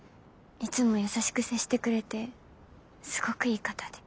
いつも優しく接してくれてすごくいい方で。